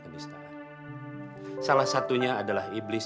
pesan surat malam ini